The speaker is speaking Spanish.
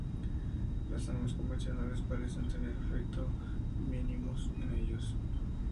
Las armas convencionales parecen tener efecto mínimos en ellos.